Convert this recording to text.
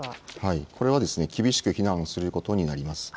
これは厳しく非難をすることになります。